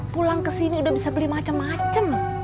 pulang kesini udah bisa beli macem macem